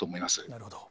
なるほど。